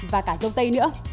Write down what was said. và cả dâu tây nữa